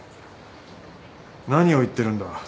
何を言ってるんだ。